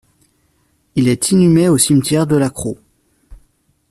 Il est inhumé au cimetière de La Crau.